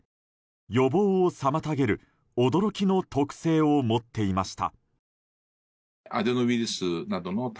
予防を妨げる驚きの特性を持っていました。